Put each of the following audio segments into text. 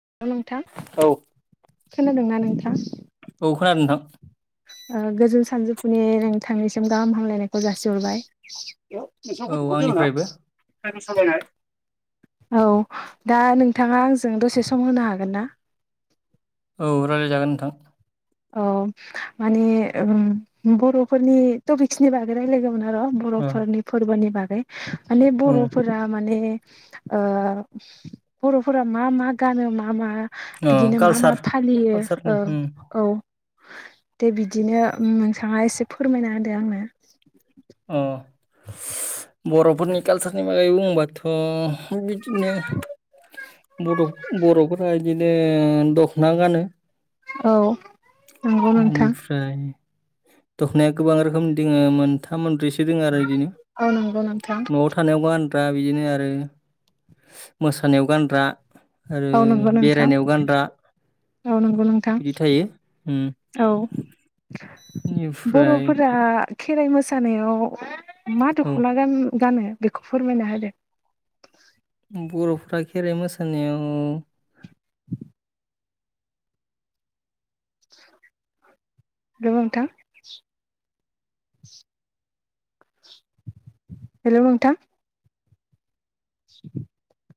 [unintelligible] नोंथा। खोनादोंना नोंथां। औ खोनादों नोंथां। ओ गोजोन सानजोफुनि नोंथांनिसिम गाहाम हामलायनायखौ जासिहरबाय। बेयाव नोंसोनाव गथ' औ फोरोदोङोना आंनिफ्रायबो गारि सालायनाय। औ दा नोंथाङा आंजों दसे सम होनो हागोन ना। औ रालायजागोन नोंथां। औ माने ओम बर'फोरनि टपिक्सनि बागै रायलायगोमोन आर' ओ बर'फोरनि फोरबोनि बागै माने उम बर'फोरा माने। ओ बर'फोरा मा-मा गानो मा-मा। ओ बिदिनो मा-मा कालसार फालियो कालसारनि उम औ। दे बिदिनो उम नोंथाङा एसे फोरमायना होदो आंनो। अ बर'फोरनि कालसारनि बागै बुंबाथ' बिदिनो। बड' बर'फोरा इदिनो दख'ना गानो। औ नंगौ नोंथां इनिफ्राय। दख'नाया गोबां रोखोम दिङो मोनथा मोनब्रैसो [unintelligible] दोङो आरो इदिनो औ नंगौ नोंथां न'आव थानायावबा ग्रा बिदिनो आरो मोसानायाव गानग्रा। आरो औ नंगौ नोंथां बेरायनायाव गानग्रा। औ नंगौ नोंथां बिदि थायो उम औ। बेनिफ्राय बर'फोरा। खेराइ मोसानायाव मा औ दख'ना गानो बेखौ फोरमायना होदो। बर'फ्रा [unintelligible] [inaudible] दोङो नोंथां। हेलै' नोंथां। [inaudible]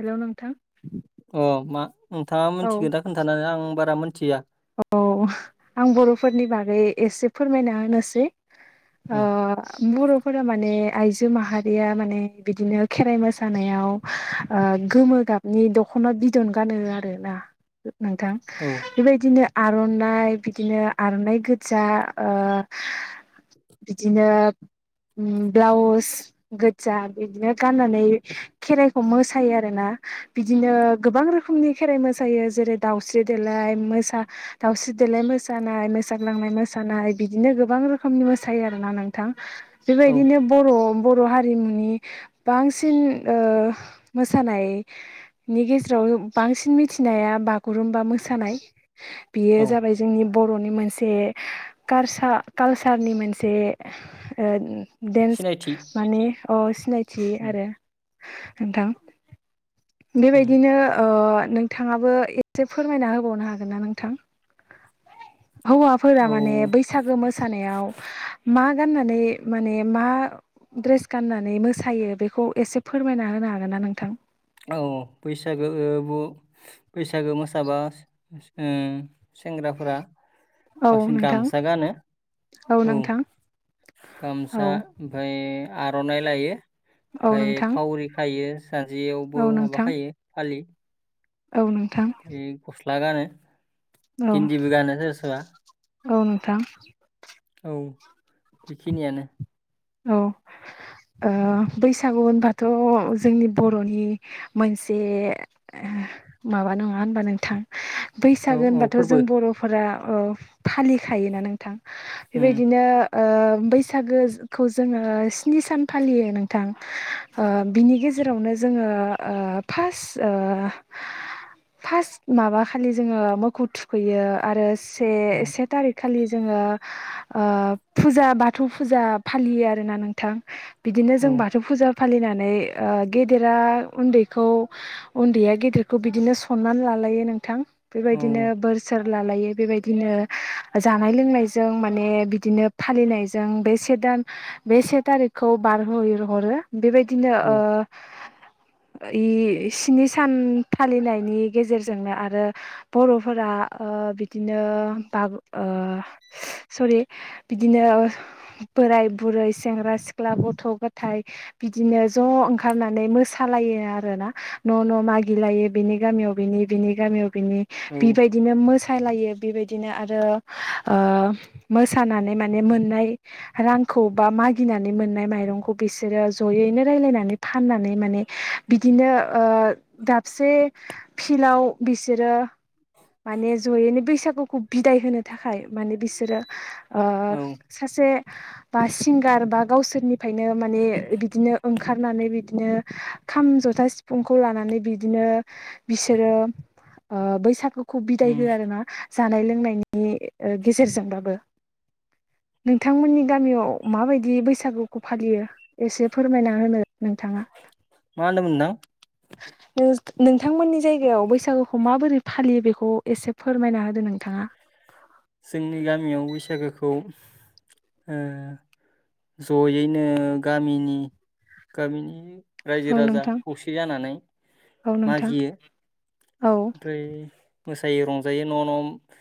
हेलै' नोंथां। अ मा नोंथाङा औ मिथिगोन दा खोन्थानानै आं बारा मोन्थिया। औ आं बर'फोरनि बागै एसे फोरमायना होनोसै। आ उम बर' फोरा माने आइजो माहारिया माने बिदिनो खेराइ मोसानायाव ओ गोमो गाबनि दखना बिदन गानो आरो ना नोंथां। औ बेबायदि नो आर'नाइ, बिदिनो आर'नाइ गोजा ओ बिदिनो ब्लाउस गोजा, बिदिनो गाननानै खेराइखौ मोसायो आरो ना बिदिनो गोबां रोखोमनि खेराइ मोसायो जेरै- दाउस्रि देलाय मो दावस्रि देलाय मोसानाय, मोसाग्लांनाय मोसानाय बिदिनो गोबां रोखोमनि मोसायो आरोना नोंथां। औ बेबायदिनो बर' बर' हारिमुनि बांसिन ओ मोसानायनि गेजेराव बांसिन मिथिनाया बागुरुमबा मोसानाय, बेयो औ जाबाय जोंनि बर' बर'नि मोनसे कारसा कालसारनि मोनसे डेन्स सिनायथि मानि अ सिनायथि उम आरो नोंथां। उम बेबायदिनो ओ नोंथाङाबो एसे फोरमायना होबावनो हा गोनना नोंथां? हौवाफोरा माने औ बैसागो मोसानायाव मा गाननानै माने मा ड्रेस गाननानै मोसायो बेखौ एसे फोरमायना होनो हागोन ना नोंथां? औ बैसागो बैसागो मोसाबा ओ सेंग्राफोरा औ बांसिन नोंथां गामसा गानो, औ औ गामसा ओमफ्राय आर'नाइ लायो, औ ओमफ्राय नोंथां फावरि खायो, जानजियावबो औ माबा नोंथां खायो फालि औ नोंथां लागानो औ गिन्दिबो गानो सोरबा सोरबा औ नोंथां औ बेखिनियानो औ आ बैसागु होनबाथ' जोंनि बर'नि मोनसे माबा नङा होनबा नोंथां औ बैसागु औ होनबाथ' फोरबो जों बर'फोरा ओ फालिखायोना नोंथां उम बेबायदिनो ओ बैसागो खौ जोङो स्नि सान फालियो नोंथां। ओ बिनि गेजेरावनो जोङो ओ फार्स फार्स्ट माबा खालि जोङो मोखौ थुखैयो आरो से औ से थारिख खालि जोङो आ फुजा बाथौ फुजा फालियो आरोना नोंथां। बिदिनो औ जों बाथौ फुजा फालिनानै ओ गेदेरा उन्दैखौ, उन्दैया गेदेरखौ बिदिनो सनमान ला यो नोंथां बेबायदिनो औ बोर सोर लालायो बेबायदिनो जानाय-लोंनायजों माने बिदिनो फालिनायजों बे से दान बे से थारिखखौ बारहो हरो बेबायदिनो औ ओ इ स्नि सान फालिनायनि गेजेरजोंनो आरो बर'फोरा आ बिदिनो बागु ओ सरि बिदिनो बोराय बुरै, सेंग्रा-सिख्ला, गथ'-गथाइ बिदिनो ज' ओंखारनानै मोसालायो आरो। न' न' मागि लायो बिनि गामियाव बिनि, बिनि गामियाव बिनि औ बिबायदिनो मोसालायो बेबायदिनो आरो ओ मोसानानै माने मोननाय रां खौ बा मागिनानै मोननाय माइरंखौ बिसोरो जयैनो रायलायनानै फाननानै माने बिदि नो दाबसे फिल्डाव बिसोरो माने जयैनो बैसागुखौ बिदाय होनो थाखाय माने बिसोरो ओ औ सासे बा सिंगार बा गावसोरनिफ्रायनो माने बिदिनो ओंखारनानै बिदिनो खाम जथा जथा सिफुंखौ लानानै बिदिनो बिसोरो ओ बैसागु खौ बिदाय उम हो आरो ना जानाय लोंनायनि ओ गेजेरजोंबाबो नोंथांमोननि गामियाव माबायदि बैसागुखौ फालियो एसे फोरमायना होनो नोंथाङा? मा होनदोंमोन नोंथां? नोंथांमोननि जायगायाव बैसागोखौ माबोरै फालियो बेखौ एसे फोरमायना होदो नोंथाङा? [inaudible] जोंनि गामियाव बैसागोखौ ओ ज'यैनो गामिनि गामिनि रायजो औ राजा नोंथां खौसे जानानै औ नोंथां मागियो। औ ओमफ्राय मोसायो रंजायो न' न'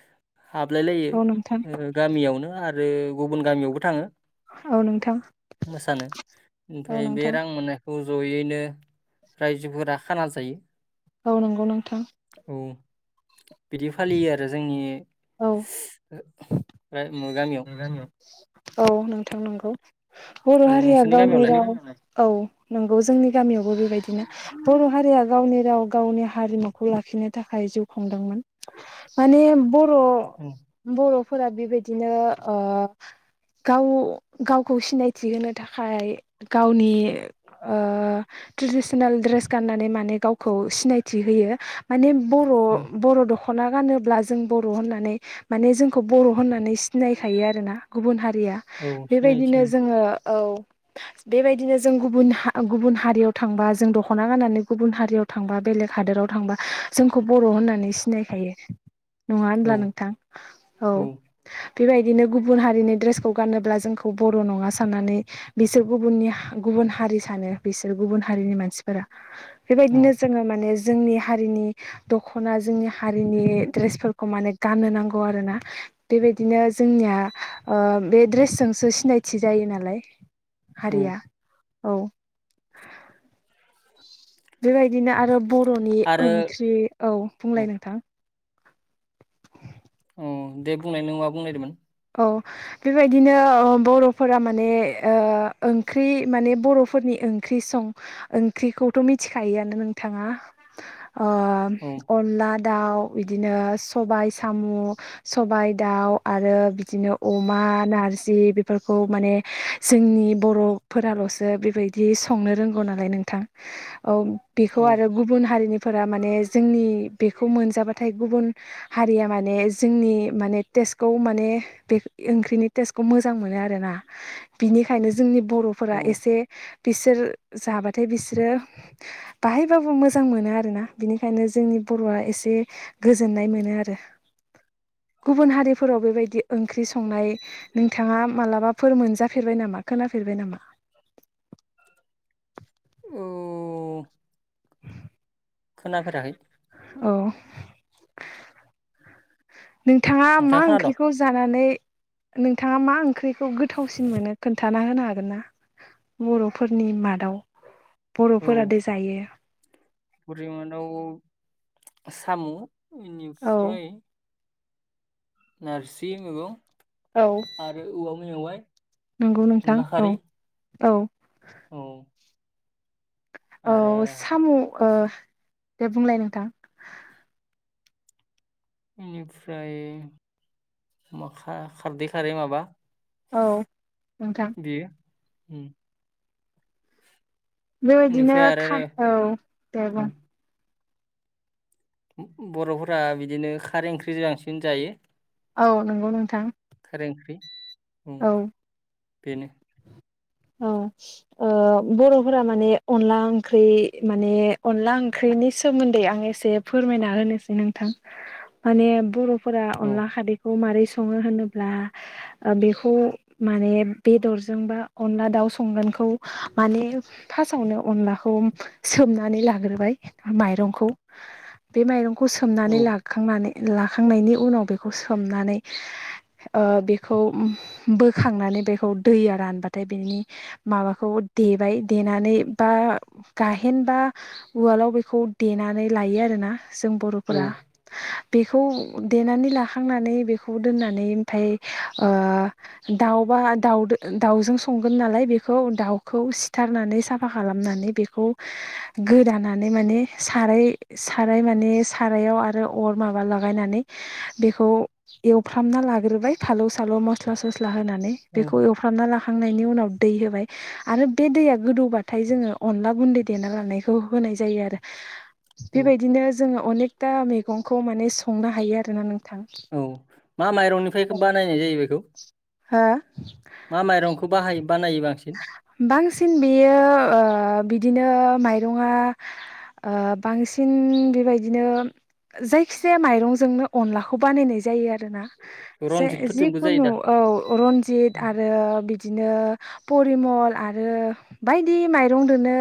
हाबलाय लायो औ नोंथां ओ गामियावनो आरो गुबुन गामियावबो थाङो। औ नोंथां मोसानो औ ओमफ्राय बे नोंथां रां मोननायखौ ज'यैनो रायजोफोरा खाना जायो। औ नांगौ नं औ। बिदि फालियो आरो जोंनि औ गामियाव औ नोंथां नंगौ। बर' औ हारिया नोंसोरनि गावनि गामियावलाय राव औ नंगौ जोंनि गामियावबो बेबायदिनो बर' हारिया गावनि राव गावनि हारिमुखौ लाखि नो थाखाय जिउ खुदोंमोन। माने ब र' औ बर'फोरा बेबायदिनो ओ गाव गावखौ सिनायथि होनो थाखाय गावनि ओ ट्रेडिसनेल ड्रेस गाननानै माने गावखौ सिनायथि होयो। माने औ बर' बर' दख'ना गानोब्ला जों बर' होननानै माने जोंखौ बर' होननानै सि सिनायखायो आरोना गुबुन हारिया। औ सिनायथि बेबायदिनो मोनो। जोङो औ बेबायदिनो जों गुबुन हा गुबुन हारियाव थांबा जों दख'ना गाननानै गुबुन हारियाव थांबा बेलेग हादोराव थांबा जोंखौ बर' होननानै सिनायखायो। नङा होनब्ला औ नोंथां? औ। बेबायदिनो गुबुन हारिनि ड्रेसखौ गानोब्ला जोंखौ बर' नङा साननानै बिसोर गुबुननि हा गुबुन हारि सानो बिसोर गुबुन हारिनि मानसिफोरा। औ बेबायदिनो जोङो माने जोंनि हारिनि दख'ना जोंनि हारिनि द्रेसफोरखौ माने गाननो नांगौ आरो ना। बेबायदिनो जोंनिया ओ बे ड्रेसजोंसो सिनायथि जायो नालाय औ हारिया औ। बेबायदिनो आरो बर'नि आरो ओंख्रि, औ बुंलाय नोंथां? अ दे बुंनाय नों मा बुंनो नागिरदोंमोन? औ बेबायदिनो ओ बर'फोरा माने ओ ओंख्रि माने बर'फोरनि ओंख्रि सं ओंख्रिखौथ' मिथिखायोआनो नोंथाङा ओ औ अनला दाउ इदिनो सबाइ साम', सबाइ दाउ आरो इदिनो अमा नारजि बेफोरखौ माने जोंनि बर'फोराल'सो बेबायदि दि संनो रोंगौ नालाय नोंथां। औ बिखौ औ आरो गुबुन हारिनि फोरा माने जोंनि बेखौ मोनजाबाथाय गुबुन हारिया माने जोंनि माने टेस्टखौ माने बे ओंख्रिनि टेस्टखौ मोजां मोनो आरोना। बिनिखायनो जोंनि बर'फोरा औ एसे बिसोर जाबाथाय बिसोरो बाहायबाबो मोजां मोनो आरोना। बिनिखायनो जोंनि बर'आ एसे गोजोननाय मोनो आरो। गुबुन हारिफोराव बेबायदि ओंख्रि संनाय नोंथाङा मालाबाफोर मोनजाफेरबाय नामा खोनाफेरबाय नामा? [inaudible] औ [inaudible] खोनाफेराखै। औ नोंथाङा मा ओंख्रिखौ जानानै नोंथाङा मा ओंख्रिखौ गोथावसिन मोनो खोन्थाना होनो हागोन ना? बर'फोरनि मादाव औ बर'फोरादि जायो। [unintelligible] साम' औ बेनिफ्राय नोरसिं मैगं औ आरो औवा मेवाय नंगौ नोंथां अनला औ खारि औ। औ औ आरो साम' ओ दे बुंलाय नोंथां? बेनिफ्राय मा खारदै खारै माबा औ नोंथां ओम बेबायदिनो बेनिफ्राय आरो खार औ दे बुं ब-बर'फोरा बिदिनो खारै ओंख्रिजों बांसिन जायो औ नंगौ नोंथां ओंख्रि औ बेनो औ ओ औ बर'फोरा माने अनला ओंख्रि माने अनला ओंख्रिनि सोमोन्दै आं एसे फोरमायना होनोसै नोंथां माने बर'फोरा औ अनला खारैखौ मारै सं सङो होनोब्ला ओ बेखौ माने बेदरजोंबा अनला दाउ संगोनखौ माने फार्स्ट आवनो अनलाखौ सोमनानै लाग्रोबाय माइरंखौ बे माइरंखौ औ सोमनानै लाखांनानै लाखांनायनि उनाव बेखौ सोमनानै ओ बेखौ बोखांनानै बेखौ दैया रानबा नाथाय बिनि माबाखौ देबाय देनानै बा गाहेनबा औवा आगोलाव बेखौ देनानै लायो आरोना जों औ बर'फोरा बेखौ देनानै लाखांनानै बेखौ दोननानै ओमफाय ओ दाउ [unintelligible] दावजों सं संगोन नालाय बेखौ दाउखौ सिथारनानै साफा खालामनानै बेखौ गोदानानै माने साराय साराय माने सारायाव आरो अर माबा लागायनानै बेखौ एवफ्रामना लाग्रोबाय फालौ सालौ मस्ला स स्ला होनानै औ बेखौ एवफ्रामना ला नि उनाव दै होबाय आरो बे दैया गोदौबाथाय जोङो अनला गुन्दै देना लानायखौ होनाय जायो औ बेबायदिनो जोङो अनेकथा मैगंखौ माने संनो हायो आरोना नों औ मा माइरंनिफ्राय बानायनाय जायो बे हो मा माइरंखौ बाहा बांसिन बेयो ओ बिदिनो माइरङआ ओ बांसिन बेबायदिनो जायखिजाया माइरंजोंनो अनलाखौ बानायनाय जायो आरोना जे रनजितफोरजोंबो जायो जिखुनु दा औ रन्जित आरो बिदिनो परिमल आरो बायदि माइरंदोनो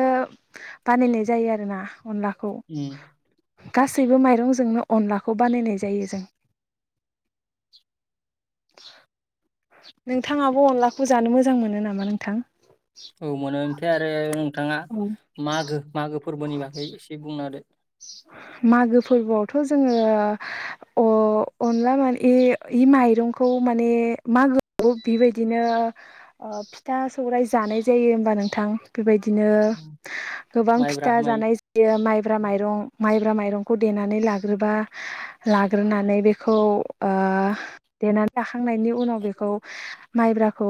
बानायनाय जायो आरोना अनलाखौ उम खौ गासैबो माइरंजोंनो अनलाखौ बानायनाय जायो जों नोंथाङाबो अनलाखौ जानो मोजां मोनो नामा नोंथां? औ मोनो ओमफ्राय आरो नोंथाङा मागो मागो फोरबोनि बागै एसे बुं [unintelligible] मागो फोरबोआवथ' जोङो अ-अनला माने ऐ माइ माइरंखौ माने मगोआव बेबायदिनो फिथा सौराय जानाय जायो होनोमबा नोंथां बेबायदिनो गोबां माइब्रा फिथा माइ जानाय जायो माइब्रा माइरं माइब्रा माइरंखौ देनानै लाग्रोबा लाग्रोनानै बेखौ [unintelligible] थांनायनि उनाव बेखौ माइब्राखौ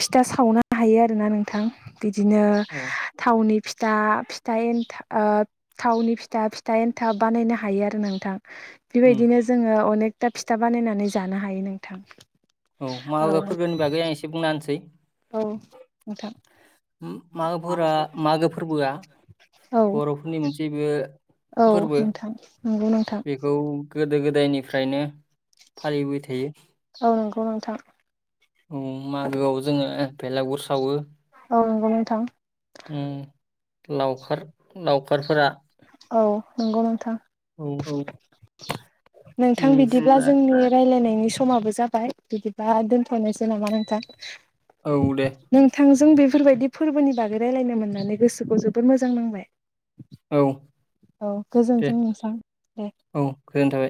फिथा सावनो हायो आरोना नोंथां बिदिनो औ थावनि फिथा फिथा एन्थाब थावनि फिथा थन्ड थाब बानायनो हायो आरो नोंथां उम बेबायदिनो जोङो अनेक दा फिथा बानायनानै जानो हायो नोंथां औ मागो फोरबोनि बागै आं एसे बुंना होनसै औ नोंथां मागोफोरा मागो फोरबोआ औ बर'फोरनि मोनसेबो औ फोरबो नोंथां नंगौ नोंथां बेखौ गोदो गोदायनिफ्रायनो फालिबाय थायो औ नंगौ नोंथां औ मागोआव जोङो बेलागुर सावो औ नंगौ नोंथां उम लावखार लावखारफोरा औ नंगौ नोंथां औ नोंथां बिदिब्ला बेनिफ्राय जोंनि रायलायनाय नोंनि समाबो जाबाय बिदिबा दोनथ'नायसै नामा नोंथां औ दे नोंथांजों बेफोरबायदि फोरबोनि बागै रायजलायनो मोननानै गोसोखौ जोबोर मोजां नांबाय औ औ दे गोजोनथों नोंसां दे औ गोजोननाय थाबाय।